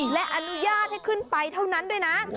และอนุญาตให้ขึ้นไปเท่านั้นด้วยนะ